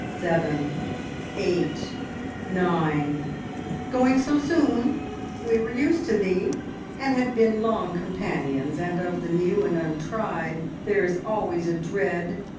Seven, eight, nine. Going so soon? We were used to thee, and had been long companions, and of the new and untried there is always a dread.